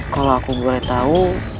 kalau aku boleh tahu